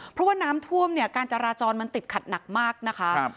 เพราะว่าน้ำท่วมเนี่ยการจราจรมันติดขัดหนักมากนะคะ